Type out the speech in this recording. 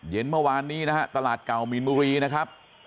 เมื่อวานนี้นะฮะตลาดเก่ามีนบุรีนะครับ